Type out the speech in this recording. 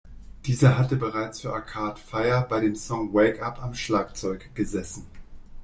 Dieser hatte bereits für Arcade Fire bei dem Song "Wake Up" am Schlagzeug gesessen.